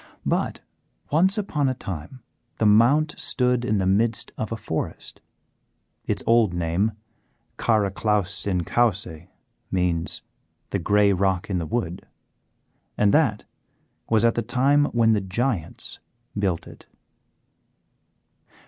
But once upon a time the Mount stood in the midst of a forest; its old name, "Caraclowse in Cowse," means "the Grey Rock in the Wood," and that was at the time when the Giants built it.